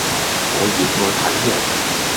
我熱愛睇肉